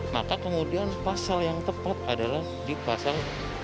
maka kemudian pasal yang tepat adalah di pasal tiga ratus lima puluh tiga